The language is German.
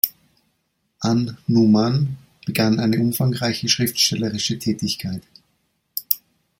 An-Numan begann eine umfangreiche schriftstellerische Tätigkeit.